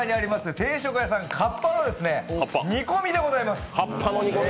定食屋さん・かっぱの煮込みでございます。